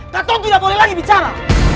katon tidak boleh lagi bicara